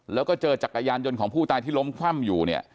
แล้วก็เจอจักรยานธนยนต์ของผู้ตายที่ล้มคราบ